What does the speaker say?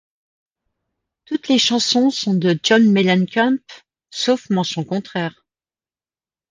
Toutes les chansons sont de John Mellencamp, sauf mention contraire.